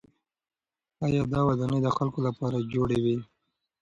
آیا دا ودانۍ د خلکو لپاره جوړې وې؟